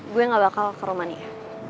gue gak bakal ke rumania